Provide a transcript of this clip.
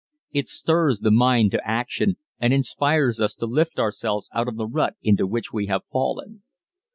It stirs the mind to action and inspires us to lift ourselves out of the rut into which we have fallen.